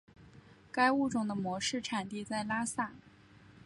该物种的模式产地在拉萨。